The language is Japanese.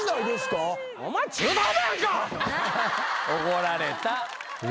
怒られた。